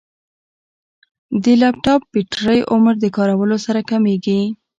د لپټاپ بیټرۍ عمر د کارولو سره کمېږي.